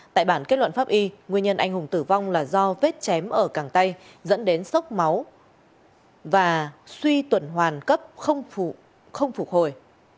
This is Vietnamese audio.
tại bản kết luận pháp y nguyên nhân anh hùng tử vong là do vết chém ở càng tay dẫn đến sốc máu và suy tuần hoàn cấp không phục hồi